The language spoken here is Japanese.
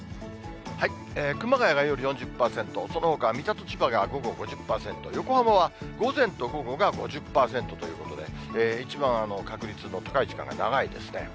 熊谷が夜４０％、そのほか水戸と千葉が午後５０％、横浜は午前と午後が５０％ということで、一番確率の高い時間が長いですね。